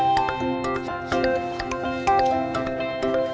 kalau satu satunya itu